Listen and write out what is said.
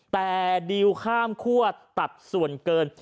แต่ดิวข้ามคั่วตัดส่วนเกิน